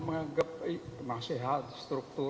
menganggap penasehat struktur